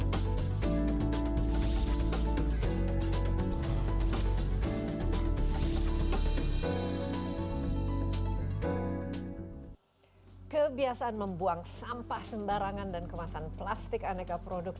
kebiasaan membuang sampah sembarangan dan kemasan plastik aneka produk